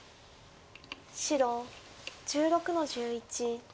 白１６の十一取り。